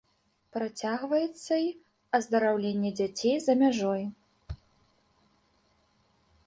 Працягваецца і аздараўленне дзяцей за мяжой.